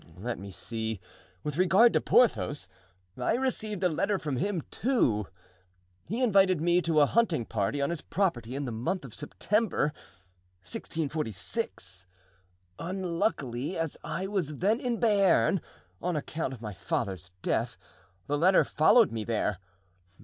Let me see: with regard to Porthos, I received a letter from him, too. He invited me to a hunting party on his property in the month of September, 1646. Unluckily, as I was then in Bearn, on account of my father's death, the letter followed me there.